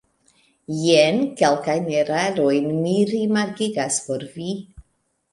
Jen kelkajn erarojn mi remarkigas por vi.